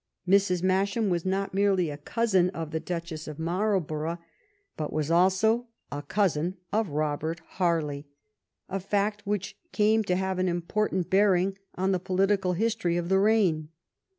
Mrs. Masham was not merely a cousin of the Duchess of Marlborough, but was also a cousin of Robert Harley — a fact which came to have an important bearing on the political history of the reign.